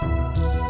aku mau ke rumah